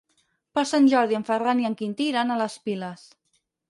Per Sant Jordi en Ferran i en Quintí iran a les Piles.